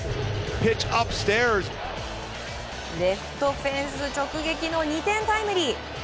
レフトフェンス直撃の２点タイムリー。